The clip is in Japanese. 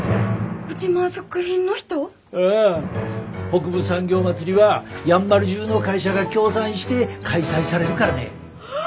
北部産業まつりはやんばる中の会社が協賛して開催されるからね。